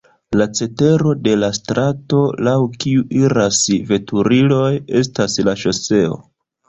La cetero de la strato, laŭ kiu iras veturiloj estas la ŝoseo.